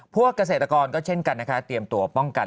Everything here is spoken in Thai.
เกษตรกรก็เช่นกันนะคะเตรียมตัวป้องกัน